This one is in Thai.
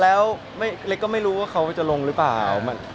แล้วเล็กก็ไม่รู้ว่าเขาจะลงหรือเปล่า